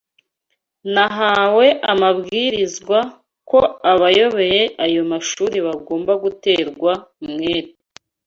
Nahawe amabwiriza ko abayoboye ayo mashuri bagomba guterwa umwete